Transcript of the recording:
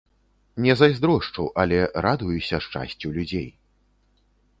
Не зайздрошчу, але радуюся шчасцю людзей.